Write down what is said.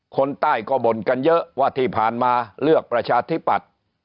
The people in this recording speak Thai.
คนใต้ก็บ่นกันเยอะว่าที่ผ่านมาเลือกประชาธิปัตย์